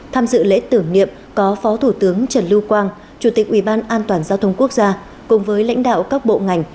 tham dự lễ tưởng niệm có phó thủ tướng trần lưu quang chủ tịch ubndhq cùng với lãnh đạo các bộ ngành